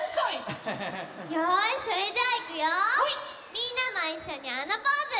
みんなもいっしょにあのポーズ！